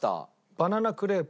バナナクレープ。